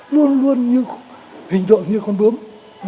luôn luôn hình dụng như con bướm